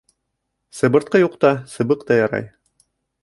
Сыбыртҡы юҡта сыбыҡ та ярай.